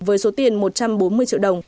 với số tiền một trăm bốn mươi triệu đồng